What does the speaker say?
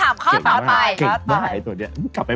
มาคำถามข้อต่อไป